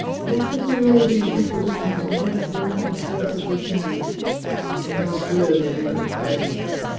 " Look quickly over these depositions, and let us burn them as fast as we can." The count read and turned pale.